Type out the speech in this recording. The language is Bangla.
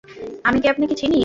আমি কি আপনাকে চিনি?